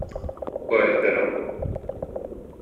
با احترام،